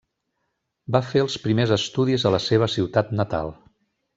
Va fer els primers estudis a la seva ciutat natal.